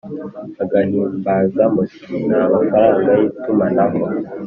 agahimbazamusyi n’amafaranga y’itumanaho